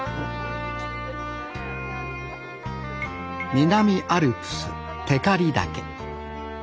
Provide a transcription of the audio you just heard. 南アルプス光岳。